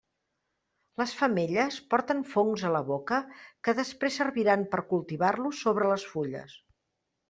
Les femelles porten fongs a la boca que després serviran per cultivar-los sobre les fulles.